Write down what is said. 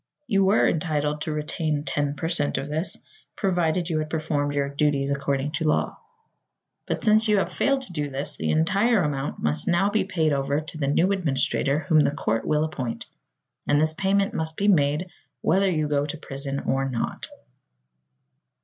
You were entitled to retain ten per cent of this, provided you had performed your duties according to law; but since you have failed to do this the entire amount must now be paid over to the new administrator whom the court will appoint. And this payment must be made whether you go to prison or not."